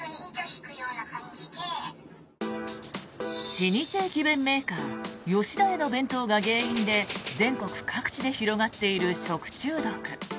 老舗駅弁メーカー吉田屋の弁当が原因で全国各地で広がっている食中毒。